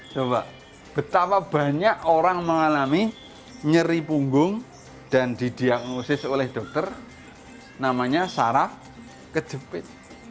coba betapa banyak orang mengalami nyeri punggung dan didiagnosis oleh dokter namanya saraf kejepit